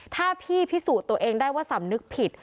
ถ้าพี่พิสูจน์ตัวเองได้ว่าสำนึกผิด